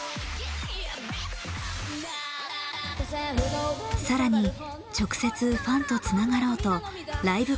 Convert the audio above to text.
更に直接ファンとつながろうとライブ活動も展開。